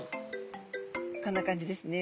こんな感じですね